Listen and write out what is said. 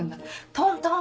「トントン！